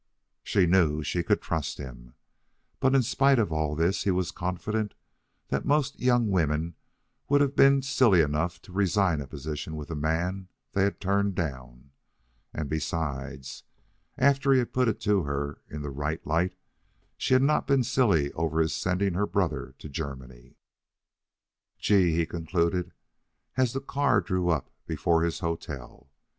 She knew she could trust him. But in spite of all this he was confident that most young women would have been silly enough to resign a position with a man they had turned down. And besides, after he had put it to her in the right light, she had not been silly over his sending her brother to Germany. "Gee!" he concluded, as the car drew up before his hotel.